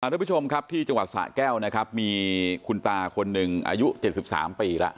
ทุกผู้ชมครับที่จังหวัดสะแก้วนะครับมีคุณตาคนหนึ่งอายุ๗๓ปีแล้ว